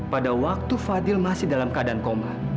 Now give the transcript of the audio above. pada waktu fadil masih dalam keadaan koma